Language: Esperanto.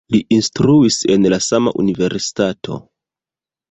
Li instruis en la sama universitato.